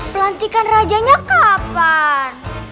pelantikan rajanya kapan